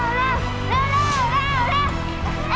เร็ว